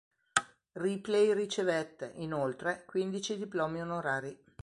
Ripley ricevette, inoltre, quindici diplomi onorari.